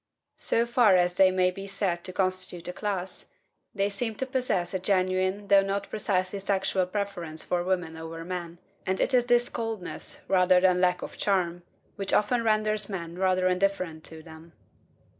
So far as they may be said to constitute a class, they seem to possess a genuine, though not precisely sexual, preference for women over men, and it is this coldness, rather than lack of charm, which often renders men rather indifferent to them.